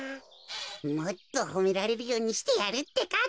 もっとほめられるようにしてやるってか。